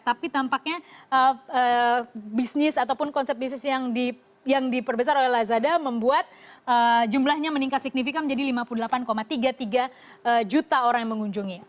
tapi tampaknya bisnis ataupun konsep bisnis yang diperbesar oleh lazada membuat jumlahnya meningkat signifikan menjadi lima puluh delapan tiga puluh tiga juta orang yang mengunjungi